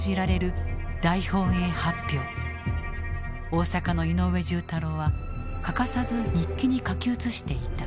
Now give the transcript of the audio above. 大阪の井上重太郎は欠かさず日記に書き写していた。